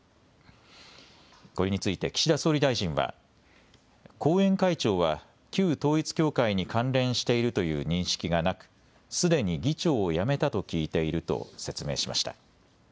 これについて岸田総理大臣は後援会長は旧統一教会に関連しているという認識がなくすでに議長を辞めたと聞いていると説明しました。